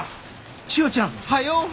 千代ちゃんはよう。